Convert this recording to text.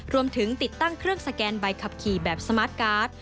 ติดตั้งเครื่องสแกนใบขับขี่แบบสมาร์ทการ์ด